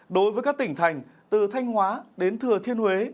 đối với các tỉnh thành từ thanh hóa đến thừa thiên huế